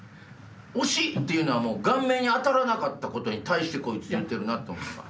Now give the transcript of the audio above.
「惜しい」っていうのは顔面に当たらなかったことにこいつ言ってると思った。